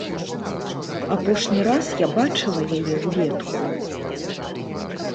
Апошні раз я бачыла яе ўлетку.